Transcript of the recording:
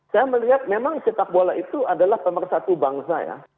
saya melihat memang sepak bola itu adalah pemersatu bangsa ya